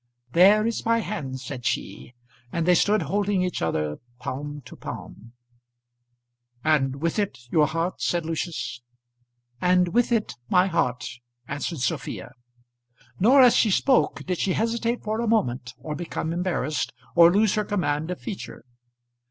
"There is my hand," said she; and they stood holding each other, palm to palm. "And with it your heart?" said Lucius. "And with it my heart," answered Sophia. Nor as she spoke did she hesitate for a moment, or become embarrassed, or lose her command of feature.